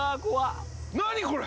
何これ！？